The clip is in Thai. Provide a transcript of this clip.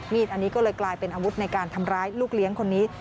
อันนี้ก็เลยกลายเป็นอาวุธในการทำร้ายลูกเลี้ยงคนนี้